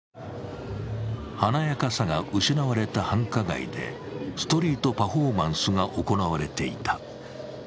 華やかさが失われた繁華街でストリートパフォーマンスが行われていた。